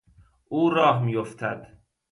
او راه میافتد.